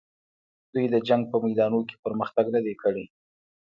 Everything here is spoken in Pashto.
دوی د جنګ په میدانونو کې پرمختګ نه دی کړی.